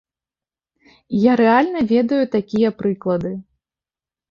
І я рэальна ведаю такія прыклады.